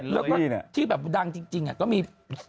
แล้วก็ที่แบบดังจริงก็มี